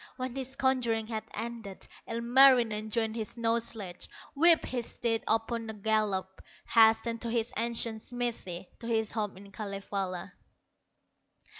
When his conjuring had ended, Ilmarinen joined his snow sledge, Whipped his steed upon a gallop, Hastened to his ancient smithy, To his home in Kalevala.